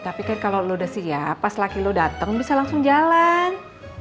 ya tapi kan kalau lu udah siap pas laki lu dateng bisa langsung jalan